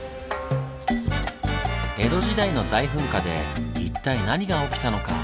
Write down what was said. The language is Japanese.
江戸時代の大噴火で一体何が起きたのか？